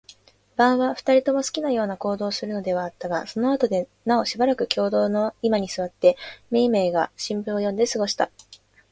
晩は、二人とも好きなような行動をするのではあったが、そのあとではなおしばらく共同の居間に坐って、めいめいが新聞を読んで過ごした。